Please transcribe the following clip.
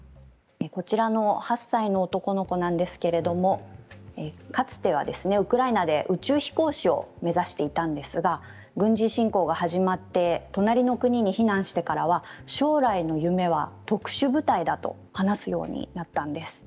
こちらの８歳の男の子なんですけれどもかつてはウクライナで宇宙飛行士を目指していたんですが軍事侵攻が始まって隣の国に避難してからは将来の夢は特殊部隊だと話すようになったんです。